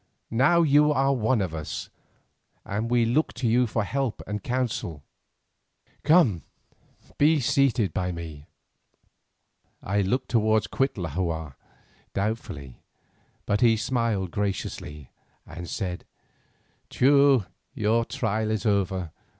Now you are one of us, and we look to you for help and counsel. Come, be seated by me." I looked towards Cuitlahua doubtfully, but he smiled graciously, and said: "Teule, your trial is over.